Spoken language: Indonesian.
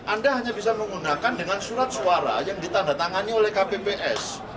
anda hanya bisa menggunakan dengan surat suara yang ditandatangani oleh kpps